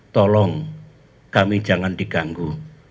tolong kami jangan diganggu